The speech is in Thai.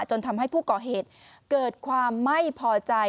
จนทำให้ผู้ก่อเหตุเกิดความไม่พอใจ